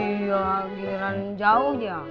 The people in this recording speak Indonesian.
iya giliran jauh dia